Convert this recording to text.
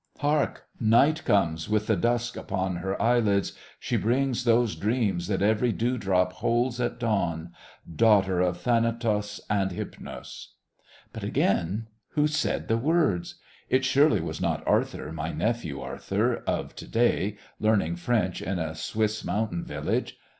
"Hark! Night comes, with the dusk upon her eyelids. She brings those dreams that every dew drop holds at dawn. Daughter of Thanatos and Hypnos...!" But again who said the words? It surely was not Arthur, my nephew Arthur, of To day, learning French in a Swiss mountain village!